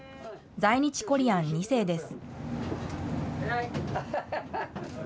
在日コリアン２世です。